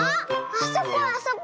あそこあそこ。